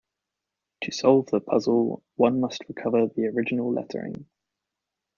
To solve the puzzle, one must recover the original lettering.